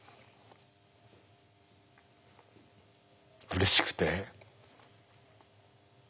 うれしくて。